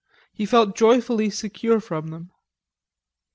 He felt joyfully secure from them.